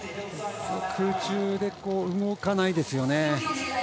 空中で動かないですね。